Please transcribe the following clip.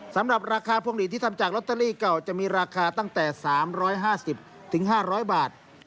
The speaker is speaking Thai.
สำหรับราคาพวงหลีดที่ทำจากลอตเตอรี่เก่าจะมีราคาตั้งแต่๓๕๐๕๐๐บาท